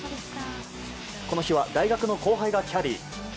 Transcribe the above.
この日は大学の後輩がキャディー。